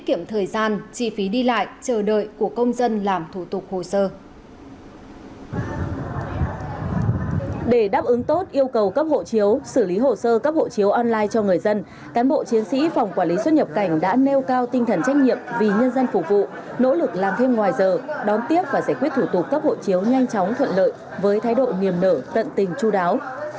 chán bộ chiến sĩ phòng quản lý xuất nhập cảnh đã nêu cao tinh thần trách nhiệm vì nhân dân phục vụ nỗ lực làm thêm ngoài giờ đón tiếp và giải quyết thủ tục cấp hộ chiếu nhanh chóng thuận lợi với thái độ nghiêm nở tận tình chú đáo